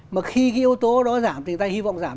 mà khi cái yếu tố đó giảm thì người ta hy vọng giảm